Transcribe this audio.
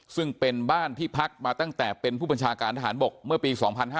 ซึ่งเป็นบ้านที่พักมาตั้งแต่เป็นผู้บัญชาการทหารบกเมื่อปี๒๕๕๙